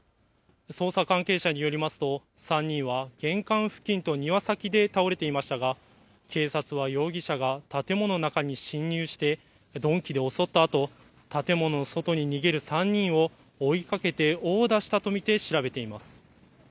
捜査関係者によりますと３人は玄関付近と庭先で倒れていましたが警察は容疑者が建物の中に侵入して鈍器で襲ったあと建物の外に逃げる３人を追いかけて殴打したと見て調べています。